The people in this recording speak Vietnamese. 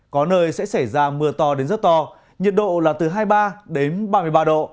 có nơi sẽ xảy ra mưa to đến rất to nhiệt độ là từ hai mươi ba đến ba mươi ba độ